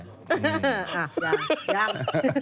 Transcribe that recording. ยัง